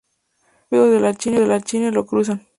Los rápidos de Lachine lo cruzan.